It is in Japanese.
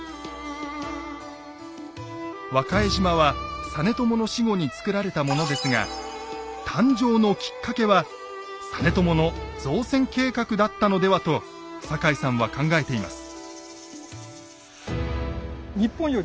和賀江島は実朝の死後に造られたものですが誕生のきっかけは実朝の造船計画だったのではと坂井さんは考えています。